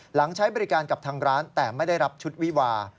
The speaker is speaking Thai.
ใช้บริการกับทางร้านแต่ไม่ได้รับชุดวิวา